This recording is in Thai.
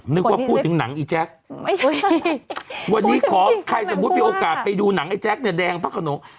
นึกว่าพูดถึงหนังอีแจ๊คไม่ใช่วันนี้ขอใครสมมุติมีโอกาสไปดูหนังไอ้แจ๊คเนี่ยแดงพระขนง